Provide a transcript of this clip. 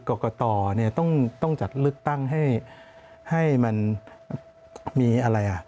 กรกตต้องจัดเลือกตั้งให้มันมีอะไรอ่ะ